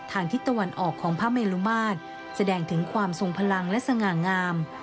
ทิศตะวันออกของพระเมลุมาตรแสดงถึงความทรงพลังและสง่างาม